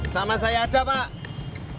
sama saya aja pak